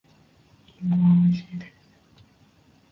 リンゴはおいしいです。